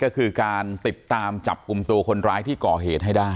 ก็คือการติดตามจับกลุ่มตัวคนร้ายที่ก่อเหตุให้ได้